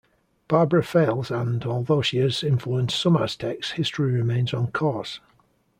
Barbara fails and, although she has influenced some Aztecs, history remains on course.